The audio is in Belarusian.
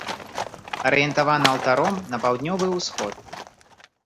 Арыентавана алтаром на паўднёвы ўсход.